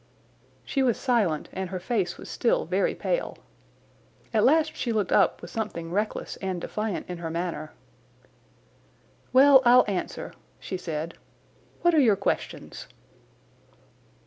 She was silent and her face was still very pale. At last she looked up with something reckless and defiant in her manner. "Well, I'll answer," she said. "What are your questions?"